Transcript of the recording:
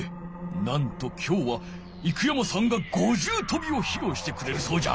なんと今日は生山さんが五重とびをひろうしてくれるそうじゃ。